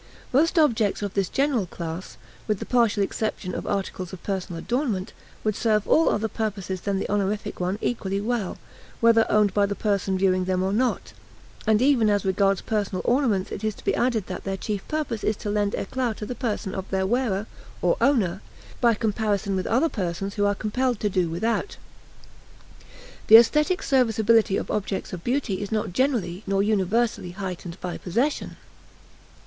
Most objects of this general class, with the partial exception of articles of personal adornment, would serve all other purposes than the honorific one equally well, whether owned by the person viewing them or not; and even as regards personal ornaments it is to be added that their chief purpose is to lend éclat to the person of their wearer (or owner) by comparison with other persons who are compelled to do without. The aesthetic serviceability of objects of beauty is not greatly nor universally heightened by possession.